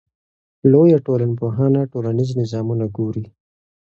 لویه ټولنپوهنه ټولنیز نظامونه ګوري.